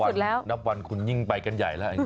นับวันคุณยิ่งไปกันใหญ่แล้ว